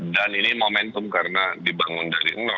dan ini momentum karena dibangun dari lo